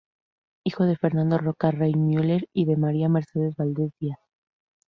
Hijo de Fernando Roca Rey Müller y de María Mercedes Valdez Díaz.